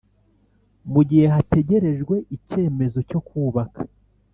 Mu gihe hategerejwe icyemezo cyo kubaka